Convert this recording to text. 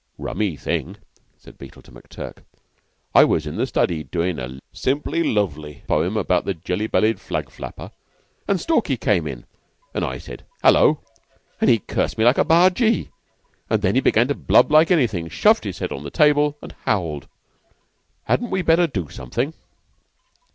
"Rummy thing!" said Beetle to McTurk. "I was in the study, doin' a simply lovely poem about the Jelly Bellied Flag Flapper, an' Stalky came in, an' I said 'Hullo!' an' he cursed me like a bargee, and then he began to blub like anything. Shoved his head on the table and howled. Hadn't we better do something?"